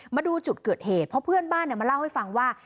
มาดูจุดเกิดเหตุเพราะเพื่อนบ้านมาเล่าให้ฟังว่า